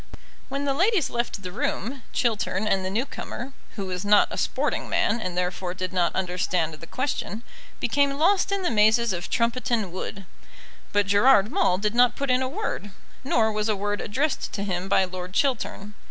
When the ladies left the room Chiltern and the new comer who was not a sporting man, and therefore did not understand the question became lost in the mazes of Trumpeton Wood. But Gerard Maule did not put in a word; nor was a word addressed to him by Lord Chiltern.